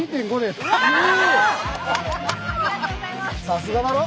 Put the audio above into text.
さすがだろ？